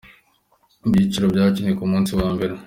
Ibyiciro byakinwe ku munsi wa mbere.